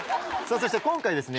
そして今回ですね